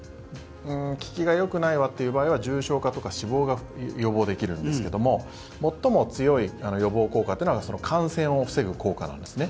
効きがよくないわという場合は重症化とか死亡が防げるんですが最も強い予防効果が感染を防ぐ効果なんですね。